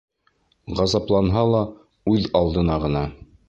Ғазапланһа ла, үҙ алдына ғына.